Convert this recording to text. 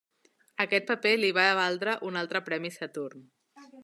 Aquest paper li va valdre un altre Premi Saturn.